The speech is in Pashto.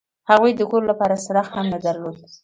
هغوی د کور لپاره څراغ هم نه درلود